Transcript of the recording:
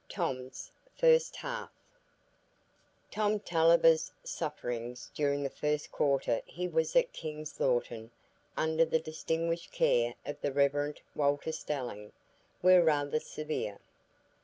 Tom's "First Half" Tom Tulliver's sufferings during the first quarter he was at King's Lorton, under the distinguished care of the Rev. Walter Stelling, were rather severe.